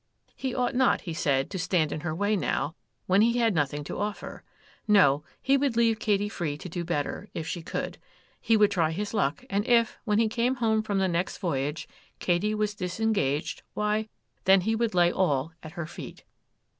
'He ought not,' he said, 'to stand in her way now, when he had nothing to offer. No, he would leave Katy free to do better, if she could; he would try his luck, and if, when he came home from the next voyage, Katy was disengaged, why, then he would lay all at her feet.